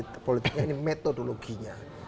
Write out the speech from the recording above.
ini politiknya ini metodologinya